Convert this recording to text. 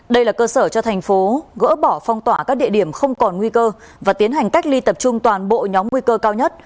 đây là cơ sở cho thành phố gỡ bỏ phong tỏa các địa điểm không còn nguy cơ và tiến hành cách ly tập trung toàn bộ nhóm nguy cơ cao nhất